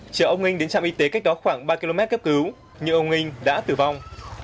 chở ông nghinh đến trạm y tế cách đó khoảng ba km kếp cứu như ông nghinh đã tử vong